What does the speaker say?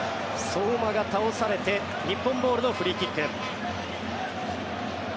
相馬が倒されて日本ボールのフリーキック。